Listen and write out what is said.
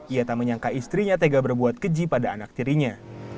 ia tak menyangka istrinya tega berbuat keji pada anak tirinya